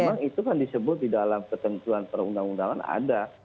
memang itu kan disebut di dalam ketentuan perundang undangan ada